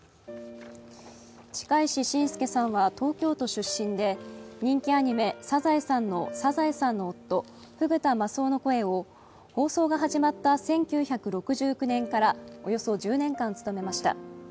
近石真介さんは東京都出身で人気アニメ「サザエさん」のサザエさんの夫・フグ田マスオの声を放送が始まった１９６９年からおよそ１０年間務めました。